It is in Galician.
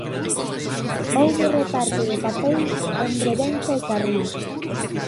Houbo reparto de papeis entre Vence e Carril.